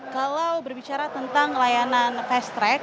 kalau berbicara tentang layanan fast track